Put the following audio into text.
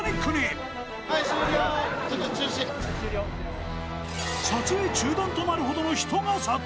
［撮影中断となるほどの人が殺到］